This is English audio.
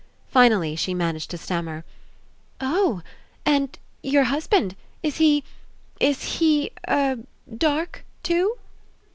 Finally she managed to stammer: "Oh! And your husband, is he — is he — er — dark, too?"